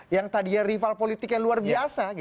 yang tadinya rival politik yang luar biasa